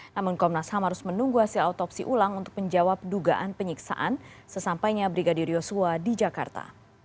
namun komnas ham harus menunggu hasil autopsi ulang untuk menjawab dugaan penyiksaan sesampainya brigadir yosua di jakarta